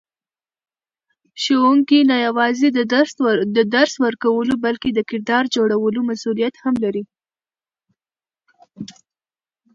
ښوونکی نه یوازې د درس ورکولو بلکې د کردار جوړولو مسئولیت هم لري.